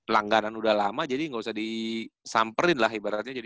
langganan udah lama jadi gausah disamperin lah ibaratnya